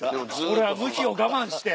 俺はムヒを我慢して。